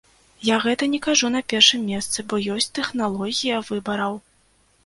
Я гэта не кажу на першым месцы, бо ёсць тэхналогія выбараў.